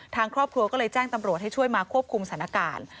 ทางครอบครัวก็เลยแจ้งตำรวจให้ช่วยมาควบคุมสถานการณ์